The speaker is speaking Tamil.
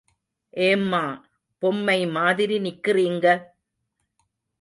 ஏம்மா பொம்மை மாதிரி நிற்கிறீங்க?